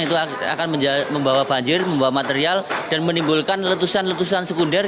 itu akan membawa banjir membawa material dan menimbulkan letusan letusan sekunder